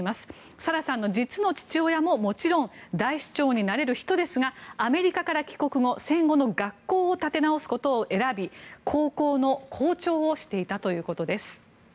サラさんの実の父親ももちろん大首長になれる人ですがアメリカから帰国後、戦後の学校を立て直すことを選び高校の校長をしていたということです。